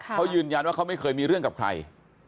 เขายืนยันว่าเขาไม่เคยมีเรื่องกับใคร